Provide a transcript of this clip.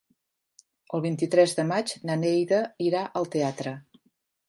El vint-i-tres de maig na Neida irà al teatre.